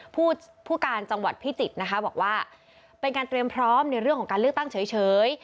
ผู้การจังหวัดพิจิตรนะคะบอกว่าเป็นการเตรียมพร้อมในเรื่องของการเลือกตั้งเฉย